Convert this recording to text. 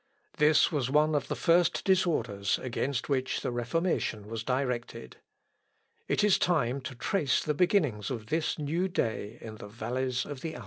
This was one of the first disorders against which the Reformation was directed. It is time to trace the beginnings of this new day in the valleys of the Alps.